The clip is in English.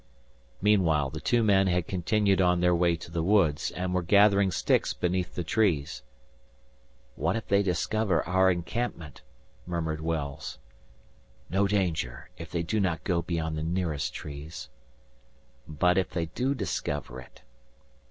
Meanwhile the two men had continued on their way to the woods, and were gathering sticks beneath the trees. "What if they discover our encampment?" murmured Wells. "No danger, if they do not go beyond the nearest trees." "But if they do discover it?"